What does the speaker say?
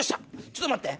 ちょっと待って！